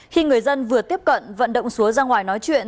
khi người dân vừa tiếp cận vận động xúa ra ngoài nói chuyện